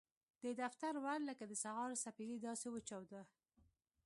د دفتر ور لکه د سهار سپېدې داسې وچاوده.